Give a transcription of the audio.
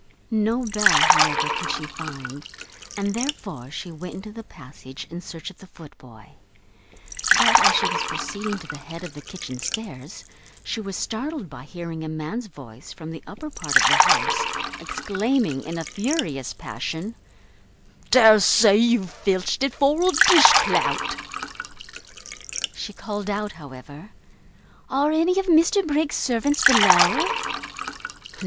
No bell, however, could she find, and therefore she went into the passage in search of the footboy; but, as she was proceeding to the head of the kitchen stairs, she was startled by hearing a man's voice from the upper part of the house exclaiming, in a furious passion, "Dare say you've filched it for a dish clout!" She called out, however, "Are any of Mr Briggs's servants below?"